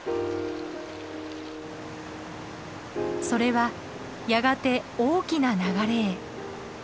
それはやがて大きな流れへ。